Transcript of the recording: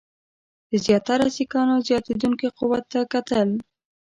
ده زیاتره د سیکهانو زیاتېدونکي قوت ته کتل.